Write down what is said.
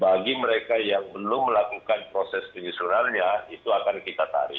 bagi mereka yang belum melakukan proses penyusunannya itu akan kita tarik